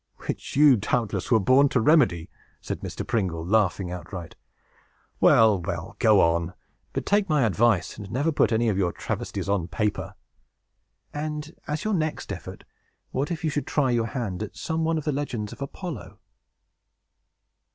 "Which you, doubtless, were born to remedy," said Mr. Pringle, laughing outright. "Well, well, go on; but take my advice, and never put any of your travesties on paper. And, as your next effort, what if you should try your hand on some one of the legends of Apollo?"